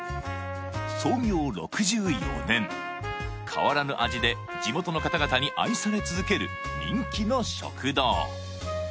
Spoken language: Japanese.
創業６４年変わらぬ味で地元の方々に愛され続ける人気の食堂